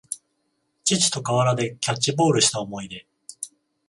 父と河原でキャッチボールした思い出